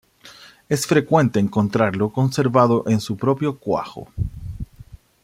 Es frecuente encontrarlo conservado en su propio cuajo.